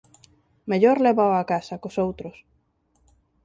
Mellor lévao á casa, cos outros.